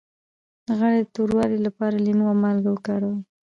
د غاړې د توروالي لپاره لیمو او مالګه وکاروئ